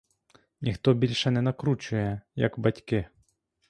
Ніхто більше не накручує, як батьки.